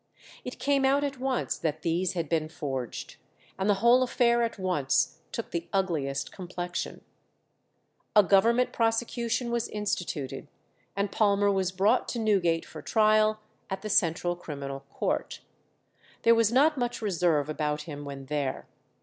It came out at once that these had been forged, and the whole affair at once took the ugliest complexion. A government prosecution was instituted, and Palmer was brought to Newgate for trial at the Central Criminal Court. There was not much reserve about him when there.